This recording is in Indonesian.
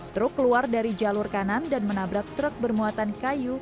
truk keluar dari jalur kanan dan menabrak truk bermuatan kayu